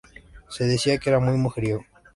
Se decía que era muy mujeriego.